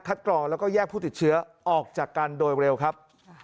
กรองแล้วก็แยกผู้ติดเชื้อออกจากกันโดยเร็วครับ